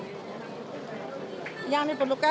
dan yang dibutuhkan adalah